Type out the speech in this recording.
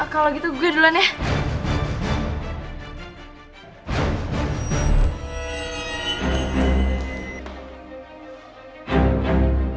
kalau gitu gue duluan ya